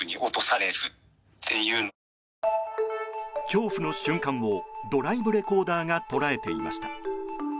恐怖の瞬間をドライブレコーダーが捉えていました。